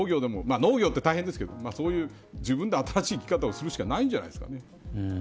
農業って大変ですけど自分で新しい生き方をするしかないんじゃないんですかね。